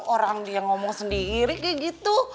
orang dia ngomong sendiri kayak gitu